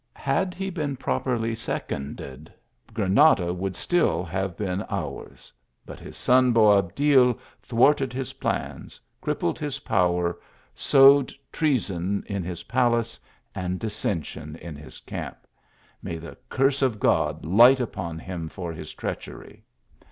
Had he been properly seconded, Granada would still have been ours ; but his son Boabdil thwarted his plans, crippled his power, sowed treason in his palace, and dissension in his camp. May the curse of God light upon him for his treachery."